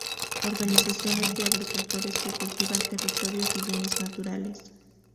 organizaciones de agricultores que cultivan territorios y bienes naturales